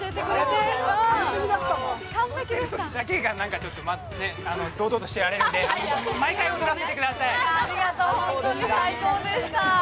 踊りだけが堂々としてられるので毎回、踊らせてください、最高でした。